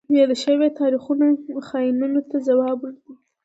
یاد شوي تاریخونه خاینینو ته ځواب دی.